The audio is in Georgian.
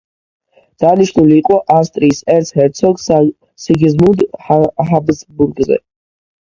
დანიშნული იყო ავსტრიის ერცჰერცოგ სიგიზმუნდ ჰაბსბურგზე.